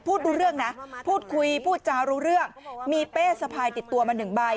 พูดรู้เรื่องนะพูดคุยพูดจ้าวรู้เรื่องมีเป้สภายติดตัวมา๑ใบ